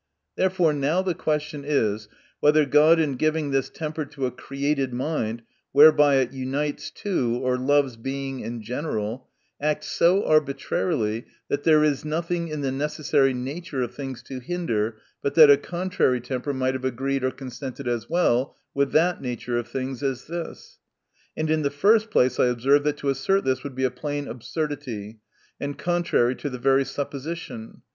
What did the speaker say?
— Therefore now the question is, whether God, in giving this temper to a created mind, whereby it unites to or loves Being in general, acts so arbi trarily, that there is nothing in the necessary nature of things to hinder but that a contrary temper might have agreed or consisted as well with that nature of thirigs as this ? And in the first place I observe, that to assert this, would be a plain absur dity, and contrary to the very supposition.